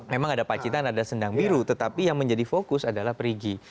memang ada pacitan ada sendang biru tetapi yang menjadi fokus adalah perigi